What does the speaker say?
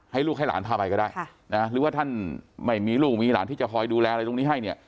ลูกให้หลานพาไปก็ได้หรือว่าท่านไม่มีลูกมีหลานที่จะคอยดูแลอะไรตรงนี้ให้เนี่ย